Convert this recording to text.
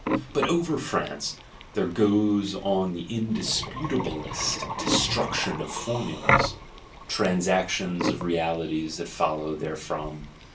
But over France, there goes on the indisputablest "destruction of formulas;" transaction of realities that follow therefrom.